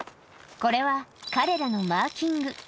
これは彼らのマーキング。